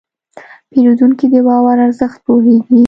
پیرودونکی د باور ارزښت پوهېږي.